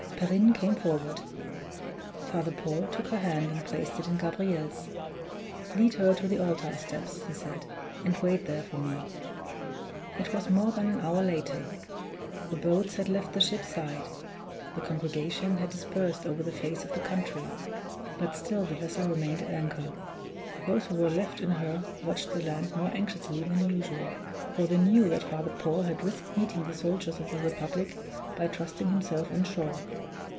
Perrine came forward. Father Paul took her hand and placed it in Gabriel's. "Lead her to the altar steps," he said, "and wait there for me." It was more than an hour later; the boats had left the ship's side; the congregation had dispersed over the face of the country but still the vessel remained at anchor. Those who were left in her watched the land more anxiously than usual; for they knew that Father Paul had risked meeting the soldiers of the Republic by trusting himself on shore.